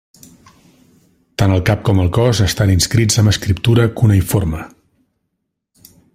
Tant el cap com el cos estant inscrits amb escriptura cuneïforme.